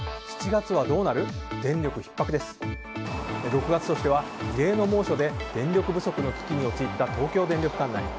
６月としては異例の猛暑で電力不足の危機に陥った東京電力管内。